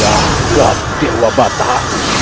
ya dewa bataharu